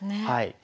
はい。